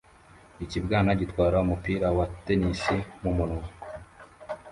Ikibwana gitwara umupira wa tennis mumunwa